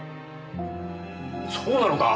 そうなのか？